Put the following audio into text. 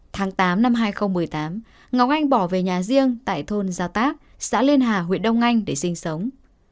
tháng tám năm hai nghìn một mươi tám ngọc anh bỏ về nhà riêng tại thôn gia tác xã lên hà huyện đông anh để sinh sống